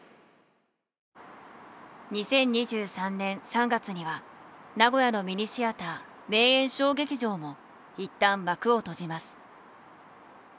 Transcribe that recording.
２０２３年３月には名古屋のミニシアター名演小劇場もいったん幕を閉じます。